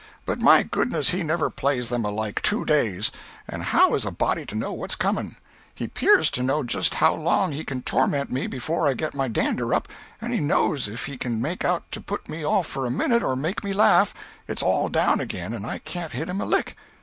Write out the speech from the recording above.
But my goodness, he never plays them alike, two days, and how is a body to know what's coming? He 'pears to know just how long he can torment me before I get my dander up, and he knows if he can make out to put me off for a minute or make me laugh, it's all down again and I can't hit him a lick.